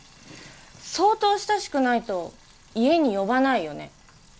相当親しくないと家に呼ばないよね？